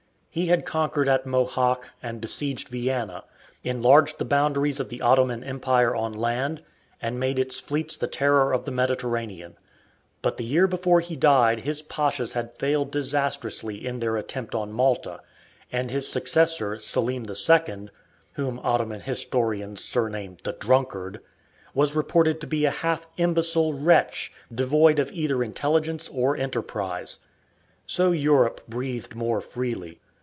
He had conquered at Mohacs and besieged Vienna, enlarged the boundaries of the Ottoman Empire on land, and made its fleets the terror of the Mediterranean; but the year before he died his pashas had failed disastrously in their attempt on Malta, and his successor, Selim II (whom Ottoman historians surname "the Drunkard"), was reported to be a half imbecile wretch, devoid of either intelligence or enterprise. So Europe breathed more freely.